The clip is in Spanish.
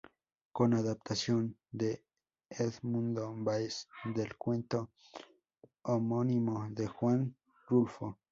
Con adaptación de Edmundo Báez del cuento homónimo de Juan Rulfo.